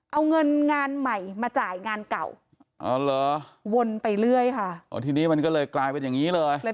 เอาเงินงานใหม่มาจ่ายงานเก่าอ๋อเหรอวนไปเรื่อยค่ะอ๋อทีนี้มันก็เลยกลายเป็นอย่างนี้เลย